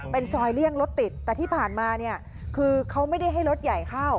เป็นซอยเลี่ยงรถติดแต่ที่ผ่านมาเนี่ยคือเขาไม่ได้ให้รถใหญ่เข้า